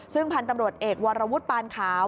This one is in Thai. ซึ่งพันธุ์ตำรวจเอกวรวุฒิปานขาว